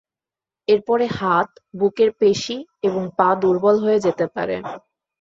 এরপরে হাত, বুকের পেশী এবং পা দুর্বল হয়ে যেতে পারে।